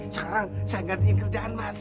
sekarang saya gantiin kerjaan mas